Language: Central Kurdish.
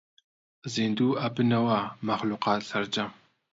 زیندوو ئەبنەوە مەخلووقات سەرجەم